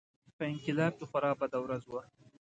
په انقلاب کې خورا بده ورځ وه.